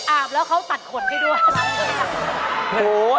อาบแล้วเขาตัดขนให้ด้วย